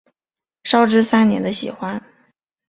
绍治三年的喜欢。